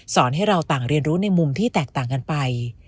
ให้เราต่างเรียนรู้ในมุมที่แตกต่างกันไป